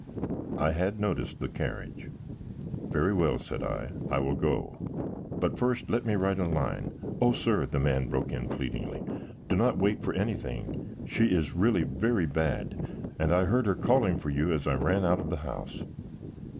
I had noticed the carriage. "Very well," said I. "I will go, but first let me write a line " "O sir," the man broke in pleadingly, "do not wait for anything. She is really very bad, and I heard her calling for you as I ran out of the house."